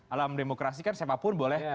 alam demokrasi kan siapapun boleh